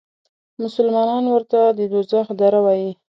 مسلمانان ورته د دوزخ دره وایي.